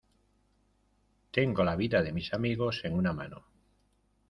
tengo la vida de mis amigos en una mano